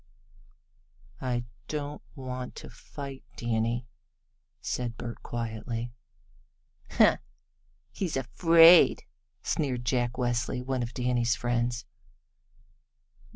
"I don't want to fight, Danny," said Bert quietly. "Huh! he's afraid!" sneered Jack Westly, one of Danny's friends.